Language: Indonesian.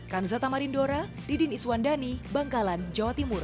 kanza tamarindora didin iswandani bangkalan jawa timur